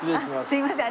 すいません。